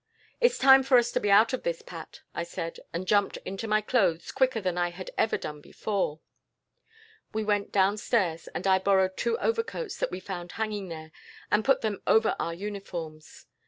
"'It is time for us to be out of this, Pat,' I said, and jumped into my clothes, quicker than I had ever done before. "We went downstairs, and I borrowed two overcoats that we found hanging there, and put them on over our uniforms.